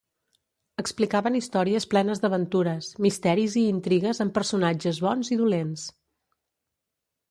Explicaven històries plenes d'aventures, misteris i intrigues amb personatges bons i dolents.